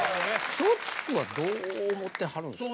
松竹はどう思ってはるんですか？